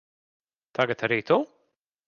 Tagad arī tu?